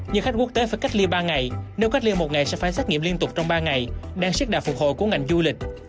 nhưng khách quốc tế phải cách ly ba ngày nếu cách ly một ngày sẽ phải xét nghiệm liên tục trong ba ngày đang sức đà phục hồi của ngành du lịch